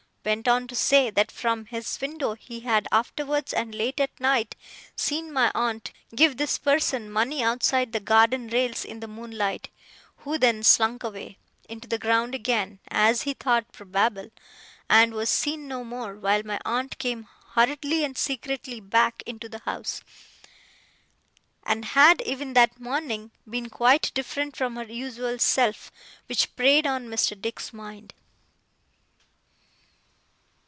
went on to say, that from his window he had afterwards, and late at night, seen my aunt give this person money outside the garden rails in the moonlight, who then slunk away into the ground again, as he thought probable and was seen no more: while my aunt came hurriedly and secretly back into the house, and had, even that morning, been quite different from her usual self; which preyed on Mr. Dick's mind.